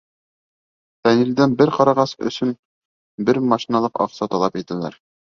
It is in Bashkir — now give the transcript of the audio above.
Фәнилдән бер ҡарағас өсөн бер машиналыҡ аҡса талап итәләр.